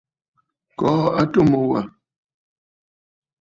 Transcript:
Kɔɔ atu mu wâ.